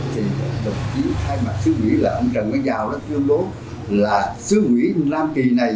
thì đồng chí thay mặt sứ quỷ là ông trần nguyễn giao đã thương bố là sứ quỷ nam kỳ này